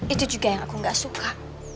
itu juga yang aku nggak suka